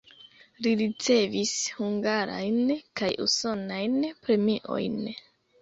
Li ricevis hungarajn kaj usonajn premiojn.